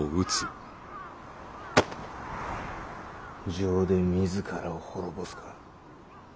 情で自らを滅ぼすか？